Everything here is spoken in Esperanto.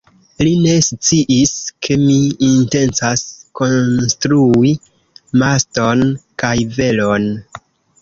Li ne sciis, ke mi intencas konstrui maston kaj velon.